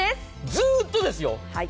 ずーっとですよ。